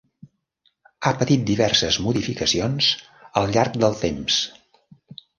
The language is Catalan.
Ha patit diverses modificacions al llarg del temps.